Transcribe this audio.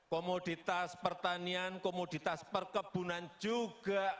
komoditas pertanian komoditas perkebunan juga